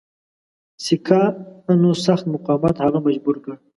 سیکهانو سخت مقاومت هغه مجبور کړ.